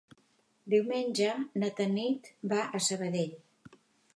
Diumenge na Tanit va a Sabadell.